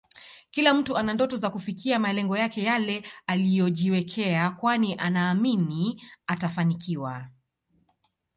Kila mtu ana ndoto za kufikia malengo yake Yale aliyojiwekea kwani anaamini atafanikiwa